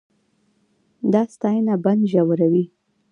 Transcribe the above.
دا ستاینه بند ژوروي.